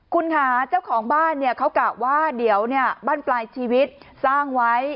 คุณค่ะเจ้าของบ้านเนี่ยเขากะว่าเดี๋ยวบ้านปลายชีวิตสร้างไว้